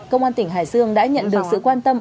công an tỉnh hải dương đã nhận được sự quan tâm